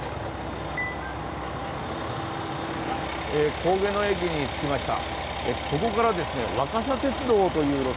郡家の駅に着きました。